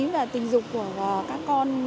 và tình dục của các con